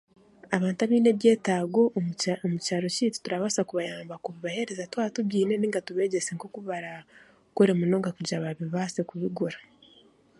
Abantu abeine ebyetaago omu kya omu kyaro kyeitu turabaasa kubayamba kubibahereza twaba tubyine ninga tubegyese nk'oku baraakore munonga kugira ngu babibaase kubigura.